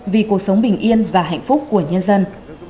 vì cuộc sống bình yên và hạnh phúc của nhân dân